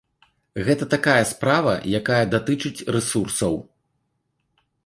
Гэта такая справа, якая датычыць рэсурсаў.